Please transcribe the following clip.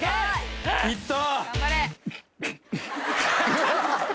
・・いった！